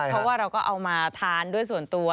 เพราะว่าเราก็เอามาทานด้วยส่วนตัว